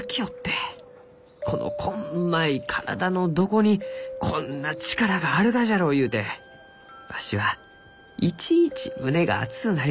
このこんまい体のどこにこんな力があるがじゃろうゆうてわしはいちいち胸が熱うなります」。